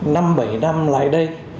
năm bảy năm lại đây